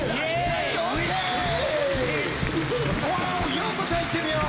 洋子ちゃんいってみよう！